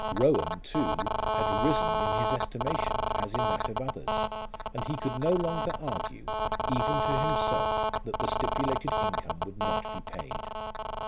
Rowan, too, had risen in his estimation as in that of others, and he could not longer argue, even to himself, that the stipulated income would not be paid.